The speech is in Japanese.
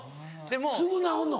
すぐ治んの？